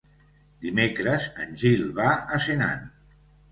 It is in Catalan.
Dimecres en Gil va a Senan.